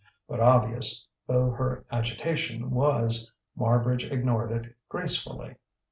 But obvious though her agitation was, Marbridge ignored it gracefully.